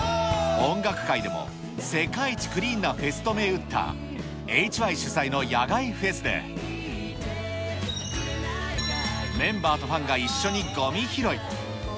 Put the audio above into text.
音楽界でも、世界一クリーンなフェスと銘打ったＨＹ主催の野外フェスで、メンバーとファンが一緒にごみ拾い。